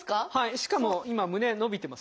しかも今胸伸びてますよ。